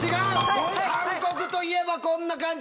韓国といえばこんな感じ！